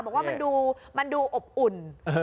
บอกว่ามันดูอบอุ่น